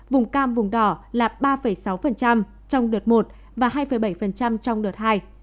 vùng cam vùng đỏ là ba sáu trong đợt một và hai bảy trong đợt hai